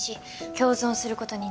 「共存することに慣れ」